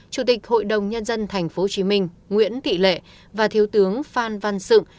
chủ tịch hội đồng nhân dân tp hcm nguyễn thị lệ và thiếu tướng phan văn sự